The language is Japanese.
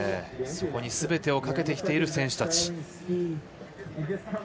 そこにすべてをかけてきている選手たち。